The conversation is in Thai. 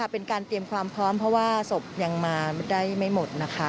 เป็นการเตรียมความพร้อมเพราะว่าศพยังมาได้ไม่หมดนะคะ